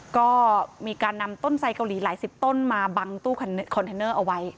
ก็มีการนำต้นไสเกาหลีหลายสิบต้นมาบังตู้คอนเทนเนอร์เอาไว้